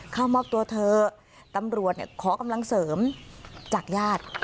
เข้ามอบตัวเถอะตำรวจขอกำลังเสริมจากญาติ